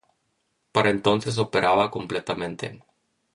Para entonces operaba completamente.